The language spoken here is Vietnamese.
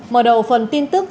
mở đầu phần tin tức